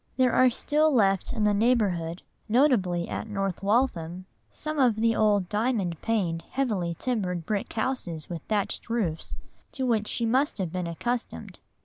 There are still left in the neighbourhood, notably at North Waltham, some of the old diamond paned, heavily timbered brick houses with thatched roofs, to which she must have been accustomed.